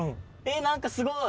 何かすごい！